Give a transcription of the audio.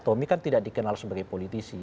tommy kan tidak dikenal sebagai politisi